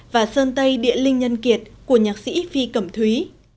và sơn tây địa linh nhân kiệt của nhạc sĩ phi cẩm thúy